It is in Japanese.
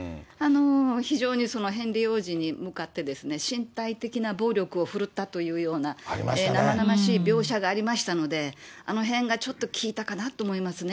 非常にヘンリー王子に向かってですね、身体的な暴力を振るったというような、生々しい描写がありましたので、あの辺がちょっと効いたかなと思いますね。